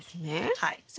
はい。